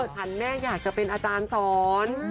หันแม่อยากจะเป็นอาจารย์สอน